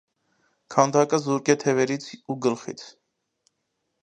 Քանդակը զուրկ է թևերից ու գլխից։